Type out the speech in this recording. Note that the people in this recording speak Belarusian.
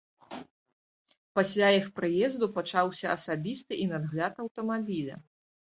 Пасля іх прыезду пачаўся асабісты і надгляд аўтамабіля.